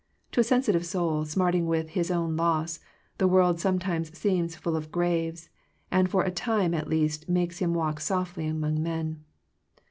To a sensitive soul, smarting with his own loss, the world sometimes seems full of graves, and for a time at least makes him walk softly among men.